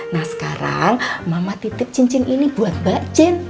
nah sekarang mama titip cincin ini buat mbak jen